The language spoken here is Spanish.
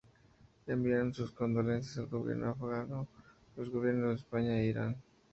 Enviaron sus condolencias al gobierno afgano los gobiernos de España e Irán.